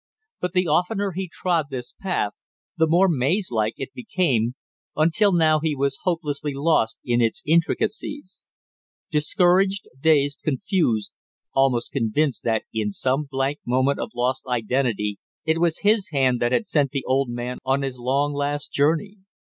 But the oftener he trod this path the more maze like it became, until now he was hopelessly lost in its intricacies; discouraged, dazed, confused, almost convinced that in some blank moment of lost identity it was his hand that had sent the old man on his long last journey.